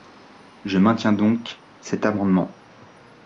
Je maintiens donc cet amendement.